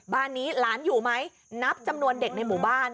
บ้านนี้หลานอยู่ไหมนับจำนวนเด็กในหมู่บ้าน